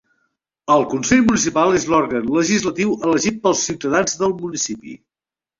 El Consell Municipal és l'òrgan legislatiu elegit pels ciutadans del municipi.